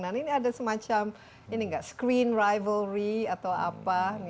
dan ini ada semacam ini enggak screen rivalry atau apa